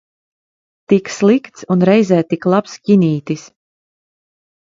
Tik slikts un reizē tik labs ķinītis.